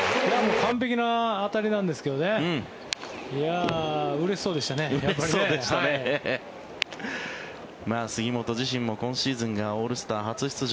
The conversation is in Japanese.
完璧な当たりなんですけど杉本自身も今シーズンがオールスター初出場。